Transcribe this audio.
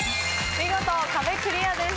見事壁クリアです。